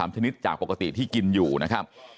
ชนิดจากปกติที่กินอยู่นะครับ